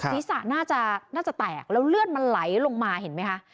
ศีรษะน่าจะแตกแล้วเลือดมันไหลลงมาเห็นไหมคะ